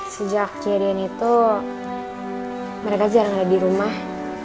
sejak kejadian itu mereka jarang ada di rumah